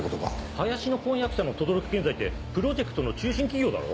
林の婚約者の等々力建材ってプロジェクトの中心企業だろ。